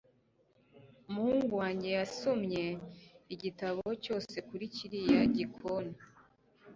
Umuhungu wanjye yasomye igitabo cyose kuri kiriya gikoni